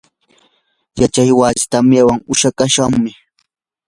yachay wasii tamyawan huchushqam.